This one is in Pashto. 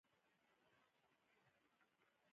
په دې نه پوهېږي چې د کتاب فارسي نسخه شته که نه.